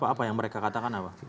apa yang mereka katakan apa